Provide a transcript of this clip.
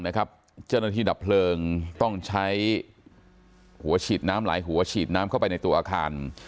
เจ้าหน้าที่ดับเพลิงต้องใช้หัวฉีดน้ำหลายหัวฉีดน้ำเข้าไปในตัวอาคาร